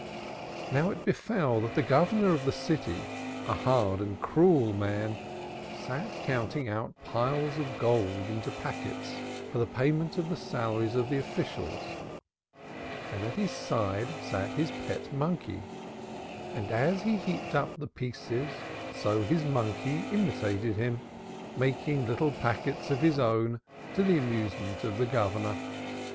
Now it befell that the Governor of the City, a hard and cruel man, sat counting out piles of gold into packets for the payment of the salaries of the officials and at his side sat his pet monkey, and as he heaped up the pieces, so his monkey imitated him, making little packets of its own to the amusement of the Governor.